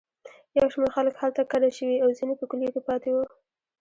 یو شمېر خلک هلته کډه شوي او ځینې په کلیو کې پاتې وو.